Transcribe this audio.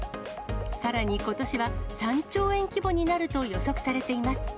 さらにことしは３兆円規模になると予想されています。